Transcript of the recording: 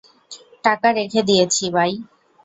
টাকা রেখে দিয়েছি, বাই।